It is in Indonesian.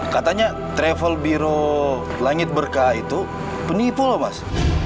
katanya travel biro langit berkah itu penipu loh mas